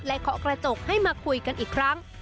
เคาะกระจกให้มาคุยกันอีกครั้ง